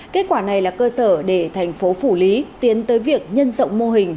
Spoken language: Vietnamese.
kết quả này là cơ sở để thành phố phủ lý tiến tới việc nhân rộng mô hình